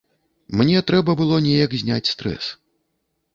Мне трэба было неяк зняць стрэс.